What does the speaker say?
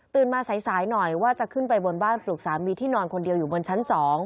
มาสายหน่อยว่าจะขึ้นไปบนบ้านปลุกสามีที่นอนคนเดียวอยู่บนชั้น๒